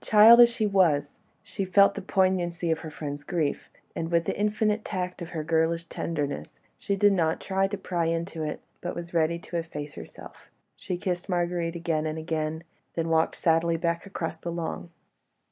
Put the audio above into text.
Child as she was, she felt the poignancy of her friend's grief, and with the infinite tact of her girlish tenderness, she did not try to pry into it, but was ready to efface herself. She kissed Marguerite again and again, then walked sadly back across the lawn.